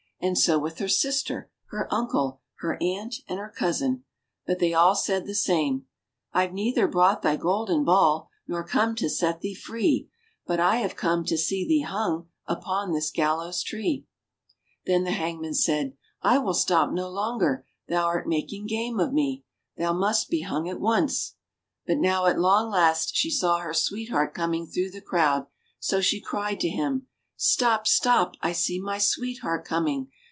And so with her sister, her uncle, her aunt, and her cousin. But they all said the same : "I've neither brought thy golden ball Nor come to set thee free, But I have come to see thee hung Upon this gallows tree." ii6 ENGLISH FAIRY TALES Then the hangman said, "I will stop no longer, thou'rt making game of me. Thou must be hung at once." But now, at long last, she saw her sweetheart coming through the crowd, so she cried to him : "Stop, stop, I see my sweetheart coming!